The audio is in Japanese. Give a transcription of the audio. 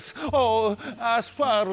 アスファルト！